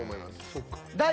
そっか。